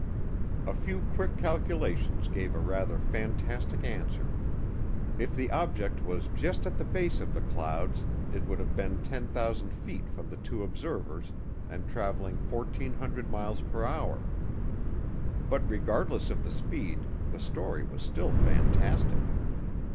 A few quick calculations gave a rather fantastic answer. If the object was just at the base of the clouds it would have been 10,000 feet from the two observers and traveling 1,400 miles per hour. But regardless of the speed, the story was still fantastic.